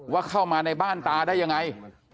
ว่าเข้ามาในบ้านตาได้ยังไง